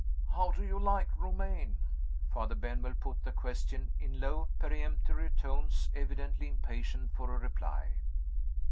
"How do you like Romayne?" Father Benwell put the question in low peremptory tones, evidently impatient for a reply.